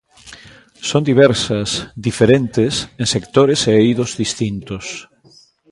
Son diversas, diferentes, en sectores e eidos distintos.